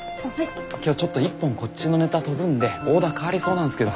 今日ちょっと１本こっちのネタ飛ぶんでオーダー変わりそうなんすけど。